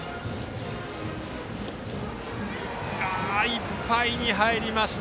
いっぱいに入りました。